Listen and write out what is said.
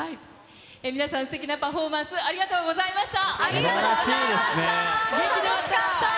皆さん、すてきなパフォーマありがとうございました。